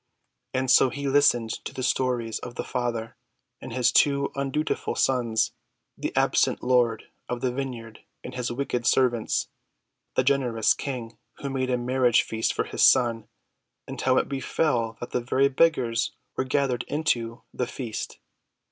And so he listened to the stories of the father and his two undutiful sons; the absent lord of the vineyard and his wicked servants; the generous king who made a marriage feast for his son, and how it befell that the very beggars were gathered into the feast.